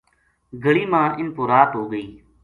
گلی ما اِن م پورات ہو گئی